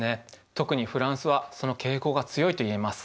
特にフランスはその傾向が強いと言えます。